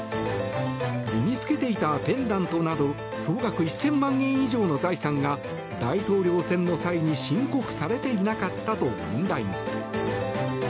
身に着けていたペンダントなど総額１０００万円以上の財産が大統領選の際に申告されていなかったと問題に。